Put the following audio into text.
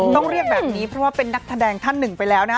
ต้องเรียกแบบนี้เพราะว่าเป็นนักแสดงท่านหนึ่งไปแล้วนะ